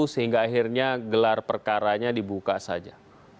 sehingga akhirnya gelar perkaranya dibuka saja